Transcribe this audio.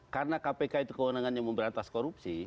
karena kpk itu kewenangannya memberantas korupsi